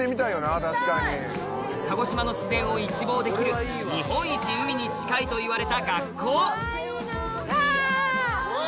鹿児島の自然を一望できる日本一海に近いと言われた学校うわ！